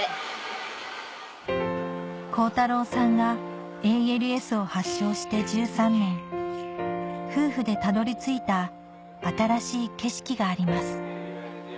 恒太朗さんがＡＬＳを発症して１３年夫婦でたどり着いた新しい景色があります